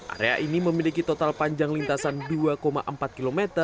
area ini memiliki total panjang lintasan dua empat km